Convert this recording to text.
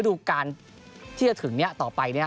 ดูการที่จะถึงนี้ต่อไป